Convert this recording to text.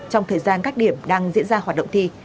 trong thời gian các điểm đang diễn ra hoạt động thi